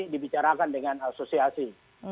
dibicarakan dengan asosiasi